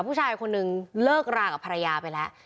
ผู้ชายคนนึงเลิกรากับภรรยาไปแล้ว